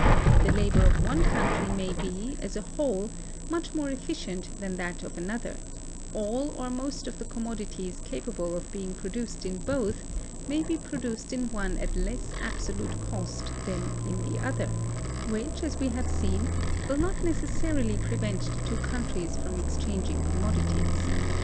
The labor of one country may be, as a whole, much more efficient than that of another: all or most of the commodities capable of being produced in both may be produced in one at less absolute cost than in the other; which, as we have seen, will not necessarily prevent the two countries from exchanging commodities.